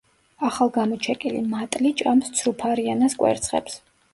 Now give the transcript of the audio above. ახალგამოჩეკილი მატლი ჭამს ცრუფარიანას კვერცხებს.